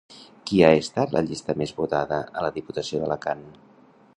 Quina ha estat la llista més votada a la Diputació d'Alacant?